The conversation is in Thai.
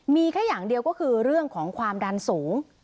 มีแค่อย่างเดียวก็คือเรื่องของความดันสูง